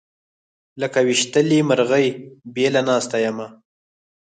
لکه ويشتلې مرغۍ بېله ناسته یمه